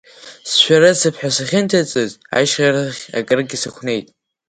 Сшәарыцап ҳәа сахьынҭыҵыз, ашьхарахь акыргьы сықәнеит.